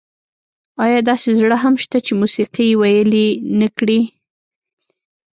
ایا داسې زړه هم شته چې موسيقي یې ویلي نه کړي؟